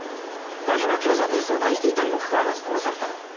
ガイシャは警察に相談していたにもかかわらず殺された。